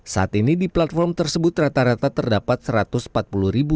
saat ini di platform tersebut rata rata terdapat satu ratus empat puluh iklan baris mobil